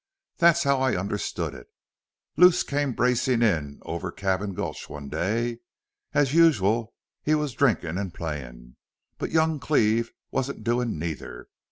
Thet's how I understood it. Luce came bracin' in over at Cabin Gulch one day. As usual, we was drinkin' an' playin'. But young Cleve wasn't doin' neither.